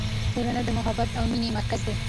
کورنۍ د محبت او مینې مرکز دی.